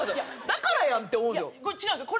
だからやんって思うんですよ。